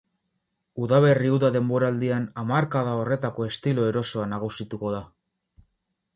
Udaberri-uda denboraldian hamarkada horretako estilo erosoa nagusituko da.